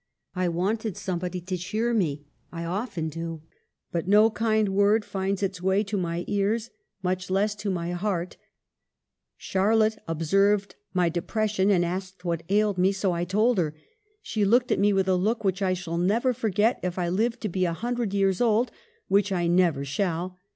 I wanted some body to cheer me. I often do ; but no kind word finds its way to my ears, much less to my heart. 1 Mrs. Gaskell. 2 ' Branwell Bronte.* G. S. Phillips. ig8 EMILY BRONTE. Charlotte observed my depression, and asked what ailed me. So I told her. She looked at me with a look which I shall never forget, if I live to be a hundred years old — which I never shall.